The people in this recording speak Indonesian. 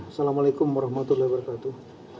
assalamualaikum warahmatullahi wabarakatuh